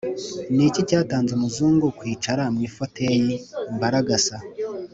Ni iki cyatanze umuzungu kwicara mu ifoteyi ?-Imbaragasa